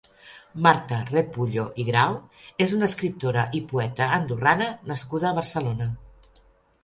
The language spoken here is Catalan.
Marta Repullo i Grau és una escriptora i poeta andorrana nascuda a Barcelona.